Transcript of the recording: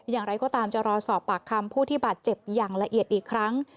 อย่างไรก็ตามจะรอสอบปากคำผู้ที่บาดเจ็บอย่างละเอียดอีกครั้ง